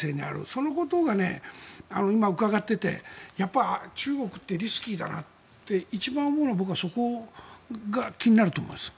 そのことが今、伺っていてやっぱり中国ってリスキーだなって、一番思うのは僕はそこが気になると思います。